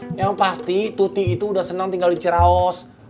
emang pasti tuti itu udah seneng tinggal di ciraos